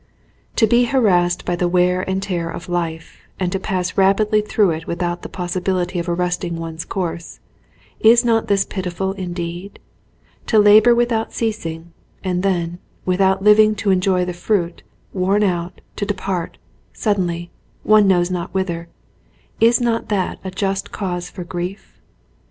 "To be harassed by the wear and tear of life, and to pass rapidly through it without the possi bility of arresting one's course, — is not this pitifvl indeed? To labour without ceasing, and then, without living to enjoy the fruit, worn out, to depart, suddenly, one knows not whither, — is not that a just cause for grief?"